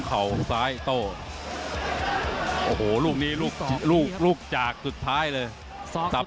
ซ้ายโต้โอ้โหลูกนี้ลูกลูกจากสุดท้ายเลยจับ